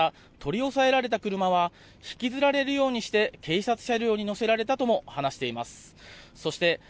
また取り押さえられた車は引きずられるようにして警察車両に乗せられたとも話しています。